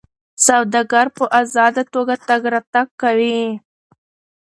سوداګر په ازاده توګه تګ راتګ کوي.